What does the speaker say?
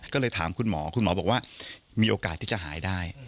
ก็เลยถามคุณหมอคุณหมอบอกว่ามีโอกาสที่จะหายได้